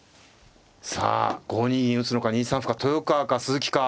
さあ５二銀打つのか２三歩か豊川か鈴木か。